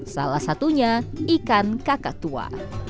salah satunya ikan kakak tua